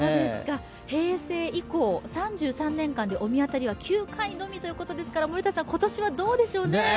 平成以降、３３年間で御神渡りは９回のみということですから森田さん、今年はどうでしょうね？